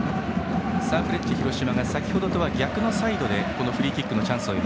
サンフレッチェ広島が先ほどとは逆のサイドでフリーキックのチャンス。